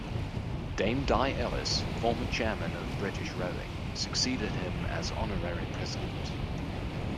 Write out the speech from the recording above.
Dame Di Ellis, former chairman of British Rowing, succeeded him as Honorary President.